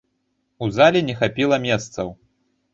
У зале не хапіла месцаў.